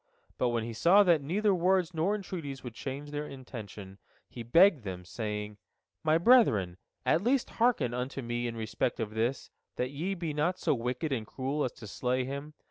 But when he saw that neither words nor entreaties would change their intention, he begged them, saying: "My brethren, at least hearken unto me in respect of this, that ye be not so wicked and cruel as to slay him.